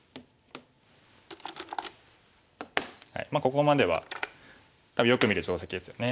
ここまでは多分よく見る定石ですよね。